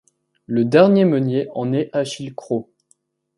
Le dernier meunier en est Achille Cros.